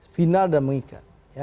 final dan mengikat